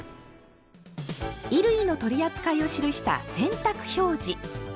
衣類の取り扱いを記した「洗濯表示」。